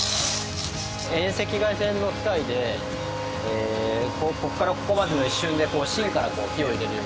遠赤外線の機械でここからここまでの一瞬で芯から火を入れるように。